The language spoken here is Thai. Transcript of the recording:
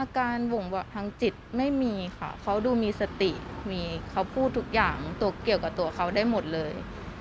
บ่งบอกทางจิตไม่มีค่ะเขาดูมีสติมีเขาพูดทุกอย่างเกี่ยวกับตัวเขาได้หมดเลย